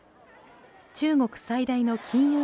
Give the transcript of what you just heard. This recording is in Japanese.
中国最大の金融